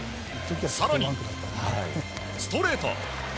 更に、ストレート！